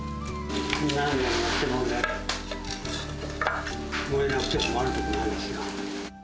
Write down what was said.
何年やっても燃えなくて困ることもあるんですよ。